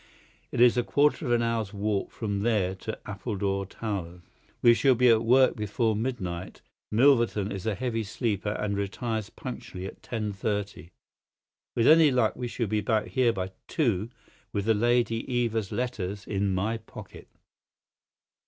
It is a quarter of an hour's walk from there to Appledore Towers. We shall be at work before midnight. Milverton is a heavy sleeper and retires punctually at ten thirty. With any luck we should be back here by two, with the Lady Eva's letters in my pocket."